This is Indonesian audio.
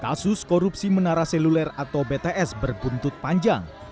kasus korupsi menara seluler atau bts berbuntut panjang